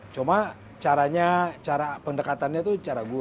cuma cara pendekatannya itu cara gue